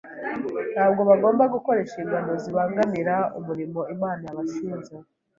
Ntabwo bagomba gukora inshingano zibangamira umurimo Imana yabashinze.